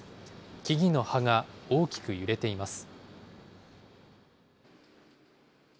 木々の葉が大きく揺れています。